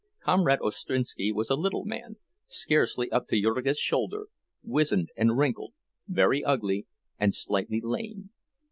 Comrade Ostrinski was a little man, scarcely up to Jurgis's shoulder, wizened and wrinkled, very ugly, and slightly lame.